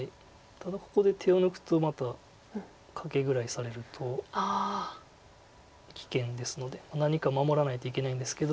ただここで手を抜くとまたカケぐらいされると危険ですので何か守らないといけないんですけど。